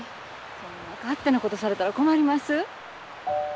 そんな勝手なことされたら困ります。